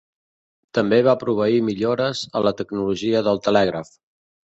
També va proveir millores a la tecnologia del telègraf.